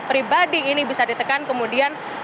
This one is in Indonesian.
pribadi ini bisa ditekan kemudian